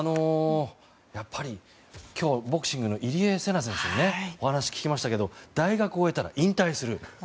やっぱり今日ボクシングの入江聖奈選手にお話を聞きましたが大学を終えたら引退する。